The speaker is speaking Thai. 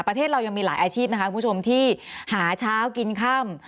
ประเทศเรายังมีหลายอาชีพที่หาเช้ากินค่ำ